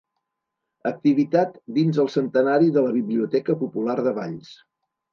Activitat dins el centenari de la Biblioteca Popular de Valls.